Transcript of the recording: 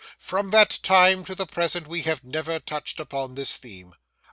From that time to the present we have never touched upon this theme.